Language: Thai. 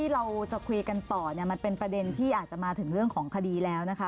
เราจะคุยกันต่อมันเป็นประเด็นที่อาจจะมาถึงเรื่องของคดีแล้วนะคะ